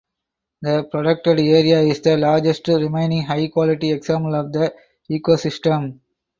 The protected area is the largest remaining high quality example of the ecosystem.